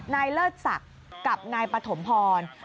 นายเลิศสักกับนายปฐมพร